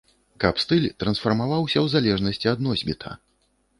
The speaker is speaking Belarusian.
Каб стыль трансфармаваўся у залежнасці ад носьбіта.